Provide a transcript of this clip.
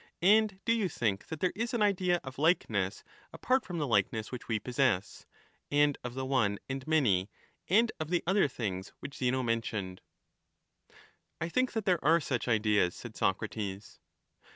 and do you think that there is an idea of likeness apart from the likeness which we possess, and of the one and many, and of the other things which Zeno mentioned ? I think that there are such ideas, said Socrates.